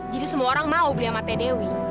jadi semua orang mau beli sama teh dewi